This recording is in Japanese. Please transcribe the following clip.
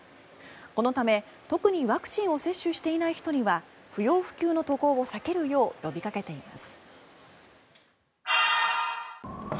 このため、特にワクチンを接種していない人には不要不急の渡航を避けるよう呼びかけています。